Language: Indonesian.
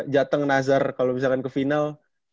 jateng nazar kalau misalkan ke final